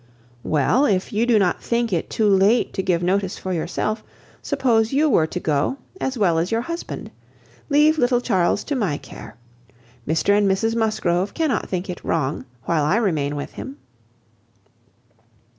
"Well, if you do not think it too late to give notice for yourself, suppose you were to go, as well as your husband. Leave little Charles to my care. Mr and Mrs Musgrove cannot think it wrong while I remain with him."